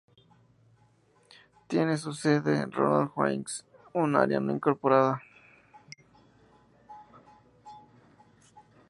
Tiene su sede en Rowland Heights, un área no incorporada.